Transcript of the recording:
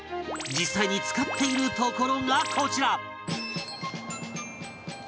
実際に使っているところがこちら